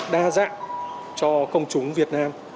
đa dạng cho công chúng việt nam